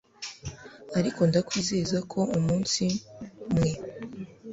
ariko ndakwizeza ko umunsi mwe